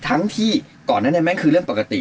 ทั้งที่ก่อนนั้นแม่งคือเรื่องปกติ